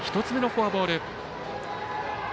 １つ目のフォアボール。